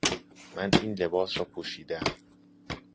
من این لباس را پوشیده ام.